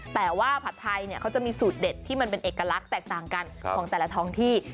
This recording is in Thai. แต่ว่าผัดไทยเนี่ยเขาจะมีสูตรเด็ดที่มันเป็นเอกลักษณ์แตกต่างกันของแต่ละท้องที่